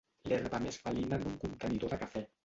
L'herba més felina en un contenidor de cafè.